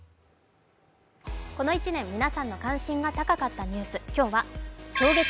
この１年、皆さんの関心が高かったニュース。